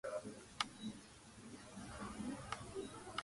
მის ადგილას გეგმაზე დასმულია წრე, ციფრის ჩასმა კი ვახუშტის გამორჩენია.